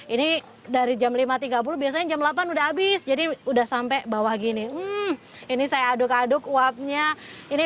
ini dari jam lima tiga puluh biasanya jam delapan udah habis jadi udah sampai bawah gini ini saya aduk aduk uapnya ini